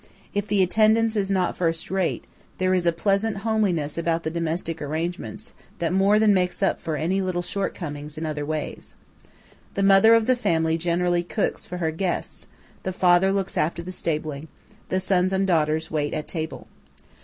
If the attendance is not first rate, there is a pleasant homeliness about the domestic arrangements that more than makes up for any little shortcomings in other ways. The mother of the family generally cooks for her guests; the father looks after the stabling; the sons and daughters wait at table.